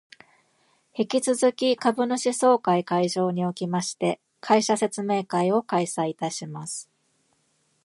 引き続き株主総会会場におきまして、会社説明会を開催いたします